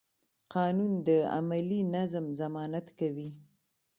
قانون د عملي نظم ضمانت کوي.